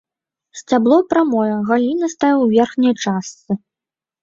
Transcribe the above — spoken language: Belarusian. Сцябло прамое, галінастае ў верхняй частцы.